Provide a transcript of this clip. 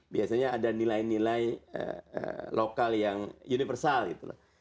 biasanya ada nilai nilai lokal yang universal gitu loh